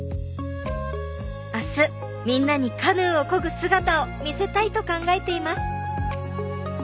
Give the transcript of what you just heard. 明日みんなにカヌーをこぐ姿を見せたいと考えています。